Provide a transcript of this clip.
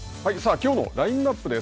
きょうのラインナップです。